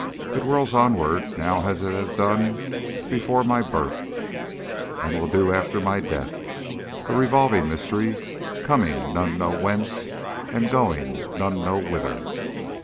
It whirls onwards now as it has done before my birth, and will do after my death a revolving mystery, coming none know whence, and going none know whither.